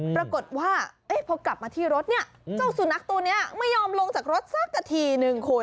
ปรากฏว่าพอกลับมาที่รถเนี่ยเจ้าสุนัขตัวนี้ไม่ยอมลงจากรถสักกะทีนึงคุณ